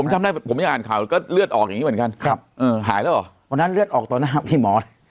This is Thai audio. วันนั้นเลือดออกตัวนะครับพี่หมอ